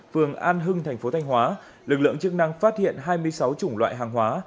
phường an hưng thành phố thanh hóa lực lượng chức năng phát hiện hai mươi sáu chủng loại hàng hóa